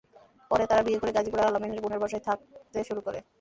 পরে তারা বিয়ে করে গাজীপুরে আল-আমিনের বোনের বাসায় থাকতে শুরু করে।